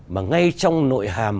mà ngay trong nội hàm